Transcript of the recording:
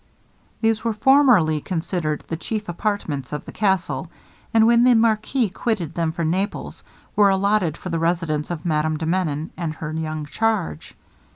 These were formerly considered the chief apartments of the castle; and when the Marquis quitted them for Naples, were allotted for the residence of Madame de Menon, and her young charge.